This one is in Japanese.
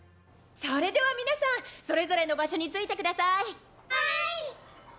それでは皆さんそれぞれの場所について下さい。